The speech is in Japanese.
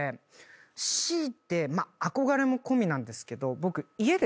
強いてまあ憧れも込みなんですけど僕家で。